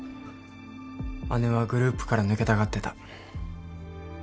姉はグループから抜けたがってた。